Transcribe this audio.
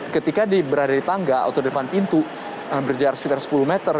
ketika dia berada di tangga atau depan pintu berjarak sekitar sepuluh meter